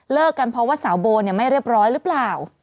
กันเพราะว่าสาวโบไม่เรียบร้อยหรือเปล่า